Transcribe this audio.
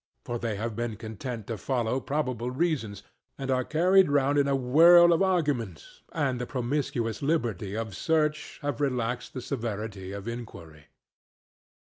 For they have been content to follow probable reasons, and are carried round in a whirl of arguments, and in the promiscuous liberty of search have relaxed the severity of inquiry.